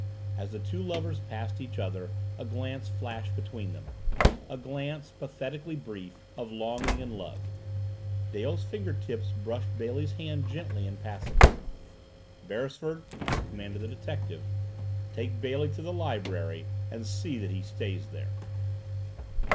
As the two lovers passed each other a glance flashed between them a glance, pathetically brief, of longing and love. Dale's finger tips brushed Bailey's hand gently in passing. "Beresford," commanded the detective, "take Bailey to the library and see that he stays there."